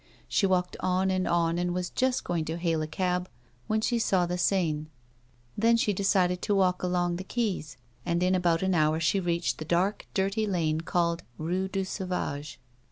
She walked on and on, and was just going to hail a cab when she saw the Seine. Then she decided to walk along the quays, and in about an hour, she reach the dark, dirty lane called Rue du Sauvage.